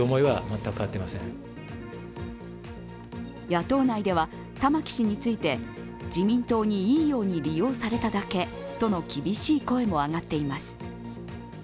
野党内では玉木氏について、自民党にいいように利用されただけとの厳しい声も上がっています。